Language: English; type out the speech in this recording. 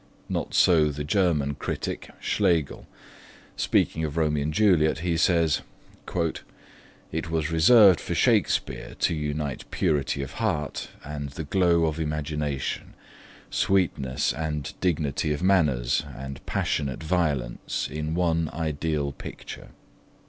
Not so the German critic, Schlegel. Speaking of Romeo and Juliet, he says, 'It was reserved for Shakespeare to unite purity of heart and the glow of imagination, sweetness and dignity of manners and passionate violence, in one ideal picture.'